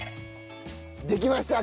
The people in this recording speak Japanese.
できました。